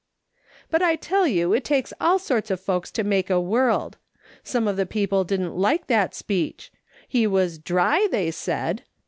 " But I tell you, it takes all sorts of folks to make a world. Some of the people didn't like that speech. He was ' dry,' they said.